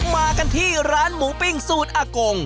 มากันที่ร้านหมูปิ้งสูตรอากง